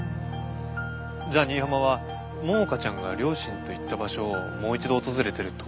じゃあ新浜は桃香ちゃんが両親と行った場所をもう一度訪れてるって事ですか？